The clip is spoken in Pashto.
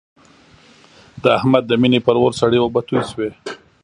د احمد د مینې پر اور سړې اوبه توی شوې.